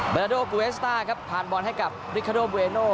เบราโดเบรสตาครับผ่านบอลให้กับริคาโดเบรโน